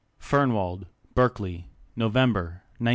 Fernwald, Berkeley, November, 1916.